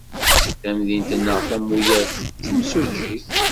Tamidit-nteɣ tamuyaft d timsujjit.